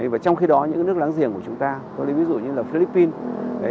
và trong khi đó những nước láng giềng của chúng ta tôi lấy ví dụ như là philippines